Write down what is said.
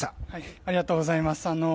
ありがとうございます。